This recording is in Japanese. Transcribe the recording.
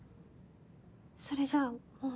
それじゃあもう。